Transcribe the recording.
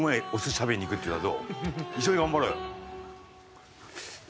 一緒に頑張ろうよ。